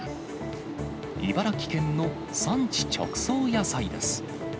茨城県の産地直送野菜です。